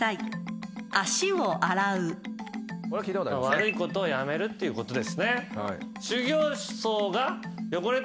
悪いことをやめるっていうことですね。